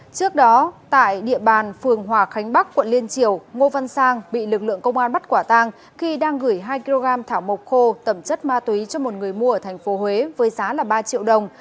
trước đó tại địa bàn phường hòa khánh bắc quận liên triều ngô văn sang bị lực lượng công an bắt quả tang khi đang gửi hai kg thảo mộc khô tẩm chất ma túy cho một người mua ở thành phố huế với giá ba triệu đồng